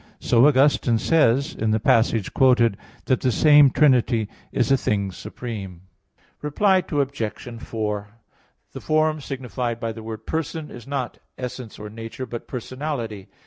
So Augustine says, in the passage quoted, that "the same Trinity is a thing supreme." Reply Obj. 4: The form signified by the word "person" is not essence or nature, but personality.